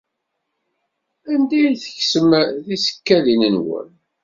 Anda ay tekksem tisekkadin-nwen?